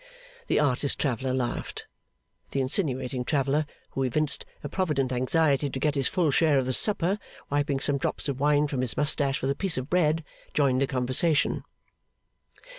The artist traveller laughed. The insinuating traveller (who evinced a provident anxiety to get his full share of the supper), wiping some drops of wine from his moustache with a piece of bread, joined the conversation.